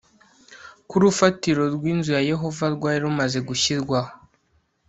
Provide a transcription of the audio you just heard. ko urufatiro rw inzu ya yehova rwari rumaze gushyirwaho